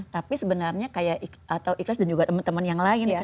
tapi sebenarnya kayak atau ikhlas dan juga teman teman yang lain